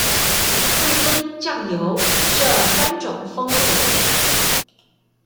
味噌、醬油這三種風味